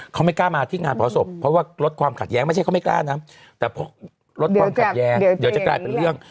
เขาไม่กล้ามาที่งานเผาศพเพราะว่าลดความขัดแย้งไม่ใช่เขาไม่กล้านะแต่ลดความขัดแย้งเดี๋ยวจะกลายเป็นเรื่อง